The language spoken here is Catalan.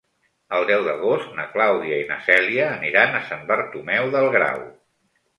El deu d'agost na Clàudia i na Cèlia aniran a Sant Bartomeu del Grau.